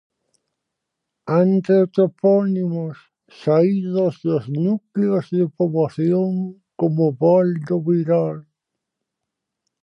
Antrotopónimos, saídos dos núcleos de poboación como o val do Vilar.